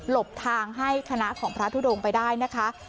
บทางให้คณะของพระทุดงไปได้นะคะ